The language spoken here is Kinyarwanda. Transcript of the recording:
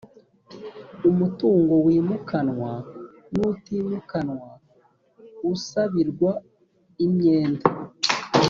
umutungo wimukanwa n utimukanwa usabirwa imyenda